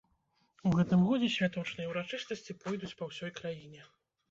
У гэтым годзе святочныя ўрачыстасці пойдуць па ўсёй краіне.